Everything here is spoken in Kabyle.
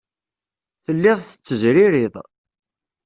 Telliḍ tettezririḍ.